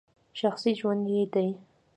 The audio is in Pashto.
شخصي ژوند یې دی !